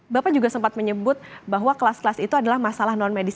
bapak juga sempat menyebut bahwa kelas kelas itu adalah masalah non medis